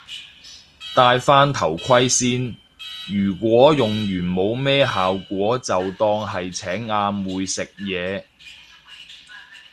戴返頭盔先，如果用完冇咩效果就當係請阿妹食嘢